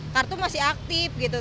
kartu masih aktif gitu